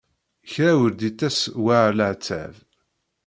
Kra ur d-ittas war leɛtab.